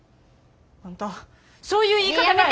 あんたそういう言い方がやな。